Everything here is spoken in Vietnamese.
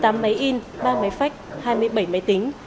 tám máy in ba máy phách hai mươi bảy máy tính